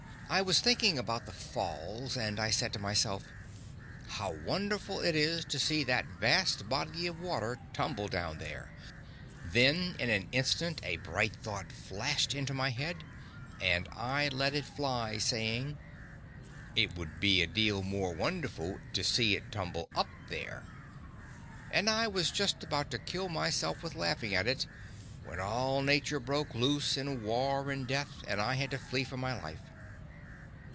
I was thinking about the Falls, and I said to myself, "How wonderful it is to see that vast body of water tumble down there!" Then in an instant a bright thought flashed into my head, and I let it fly, saying, "It would be a deal more wonderful to see it tumble up there!"—and I was just about to kill myself with laughing at it when all nature broke loose in war and death, and I had to flee for my life.